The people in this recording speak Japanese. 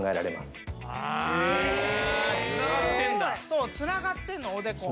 そうつながってんのおでこ。